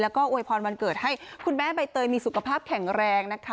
แล้วก็โวยพรวันเกิดให้คุณแม่ใบเตยมีสุขภาพแข็งแรงนะคะ